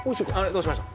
どうしました？